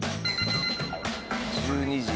１２時。